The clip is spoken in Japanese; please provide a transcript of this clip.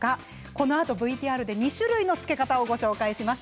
このあとＶＴＲで２種類のつけ方をご紹介します。